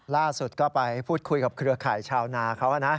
ล่าสุดก็ไปพูดคุยกับเครือข่ายชาวนาเขานะ